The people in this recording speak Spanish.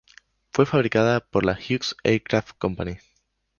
Fue fabricada por la Hughes Aircraft Company.